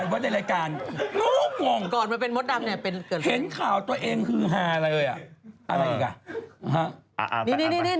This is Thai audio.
บาปอะไร